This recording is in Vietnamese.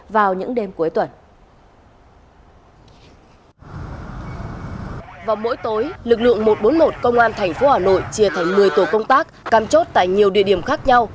vào mỗi tối lực lượng một trăm bốn mươi một công an thành phố hà nội chia thành một mươi tổ công tác cắm chốt tại nhiều địa điểm khác nhau